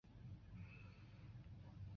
马韶因此官至太常博士。